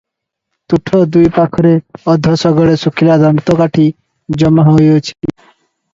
ତୁଠ ଦୁଇ ପାଖରେ ଅଧ ଶଗଡେ ଶୁଖିଲା ଦାନ୍ତକାଠି ଜମାହୋଇ ଅଛି ।